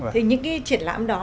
thì những cái triển lãm đó